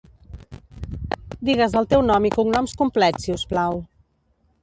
Digues el teu nom i cognoms complets, si us plau.